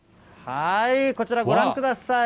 こちら、ご覧ください。